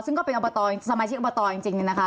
ซึ่งก็เป็นอุปโตรสามัยชิงอุปโตรจริงจริงนะคะ